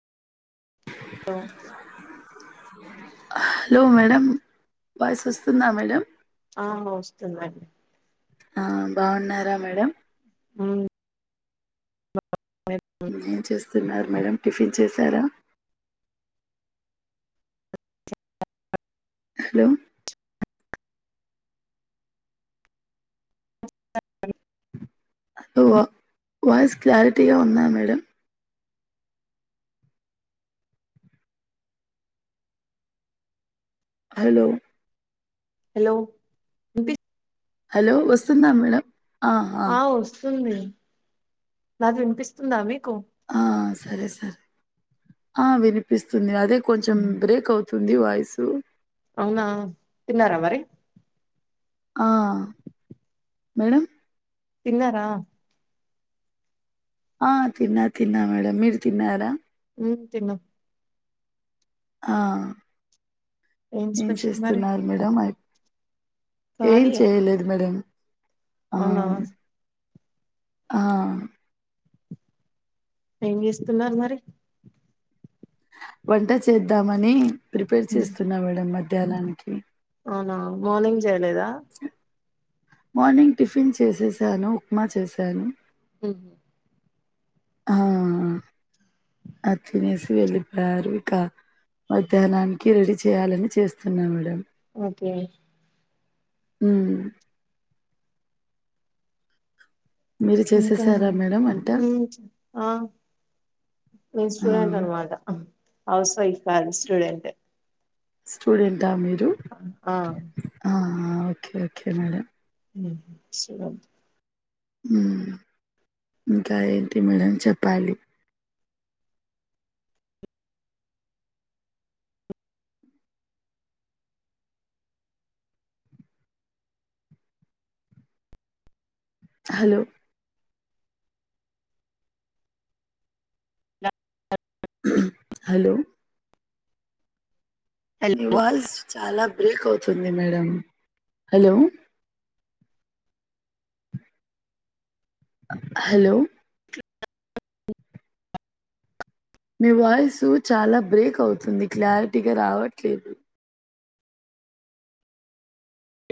hello hello madam voice వస్తుందా madam ఆ వస్తుందండి ఆ బాగున్నారా మేడం అవును [inaudible] ఏం చేస్తున్నారు మేడం టిఫిన్ చేశారా హలో హలో వాయిస్ క్లారిటీగా ఉందా మేడం హలో హలో వినిపి హలో వస్తుందా మేడం ఆ వస్తుంది నాది వినిపిస్తుందా మీకు ఆ సరే సరే ఆ వినిపిస్తుంది అదే కొంచెం బ్రేక్ అవుతుంది వాయిసు అవునా తిన్నారా మరి ఆ మేడం తిన్నారా ఆ తిన్నా తిన్నా మేడం మీరు తిన్నారా మ్మ్ తిన్నం ఆ ఏం స్పెషల్ మరి చేస్తున్నారు మేడం అయి ఏం ఖాళీయే చేయలేదు మేడం ఆ అవునా ఆ ఏం చేస్తున్నారు మరి వంట చేద్దామని ప్రిపేర్ చేస్తున్నా మేడం మధ్యాహ్నానికి అవునా మార్నింగ్ చేయలేదా మార్నింగ్ టిఫిన్ చేసేసాను ఉప్మా చేశాను మ్మ్ హ్మ్ ఆ అది తినేసి వెళ్ళిపోయారు ఇక మధ్యాహ్నానికి రెడీ చేయాలని చేస్తున్నా మేడం ఓకే మ్మ్ మీరు ఇంకా చేసేసారా మేడం వంట [inaudible] ఆ నేను ఆ, స్టూడెంట్ అన్నమాట హౌస్ వైఫ్ కాదు స్టూడెంటే స్టూడెంట్ ఆ మీరు అవును ఆ ఓకే ఓకే మేడం మ్మ్ హ్మ్ [inaudible] ఇంకా ఏంటి మేడం చెప్పాలి హలో హలో నివాల్స్ చాలా బ్రేక్ అవుతోంది మేడం హలో హలో మీ వాయిస్సు చాలా బ్రేక్ అవుతుంది క్లారిటీగా రావట్లేదు